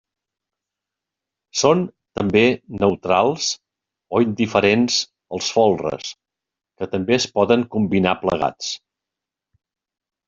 Són també neutrals o indiferents els folres, que també es poden combinar plegats.